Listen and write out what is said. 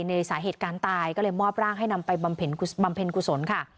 สาเหตุการณ์ตายก็เลยมอบร่างให้นำไปบำเพ็ญกุศลค่ะ